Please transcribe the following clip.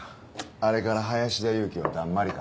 あれから林田裕紀はだんまりか？